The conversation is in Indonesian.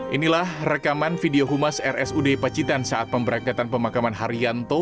inilah rekaman video humas rsud pacitan saat pemberangkatan pemakaman haryanto